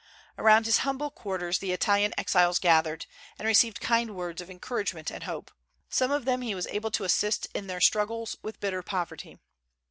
Around his humble quarters the Italian exiles gathered, and received kind words of encouragement and hope; some of them he was able to assist in their struggles with bitter poverty.